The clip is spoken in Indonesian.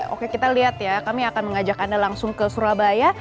oke kita lihat ya kami akan mengajak anda langsung ke surabaya